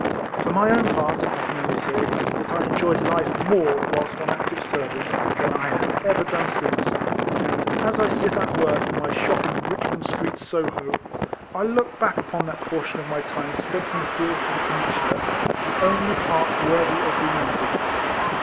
For my own part, I can only say, that I enjoyed life more whilst on actice service, than 1 have ever done since ; and as I sit at work in my shop in Richmond Street, Soho, I look back upon that portion of my time spent in the fields of the Peninsula as the only part worthy of remembrance.